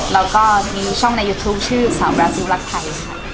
แล้วก็มีช่องในยูทูปชื่อสาวบราซิลรักไทย